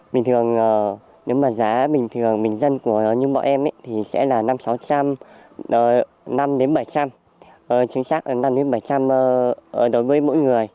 bình thường giá bình thường bình dân của những bọn em thì sẽ là năm trăm linh bảy trăm linh đồng đối với mỗi người